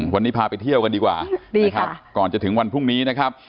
วันนี้พาไปเที่ยวกันดีกว่านะครับก่อนจะถึงวันพรุ่งนี้นะครับ